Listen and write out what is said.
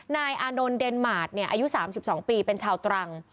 นายอานนท์เดนมาร์ทอายุ๓๒ปีเป็นชาวตรัง